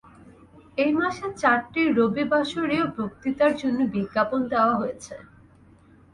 এই মাসে চারটি রবিবাসরীয় বক্তৃতার জন্য বিজ্ঞাপন দেওয়া হয়েছে।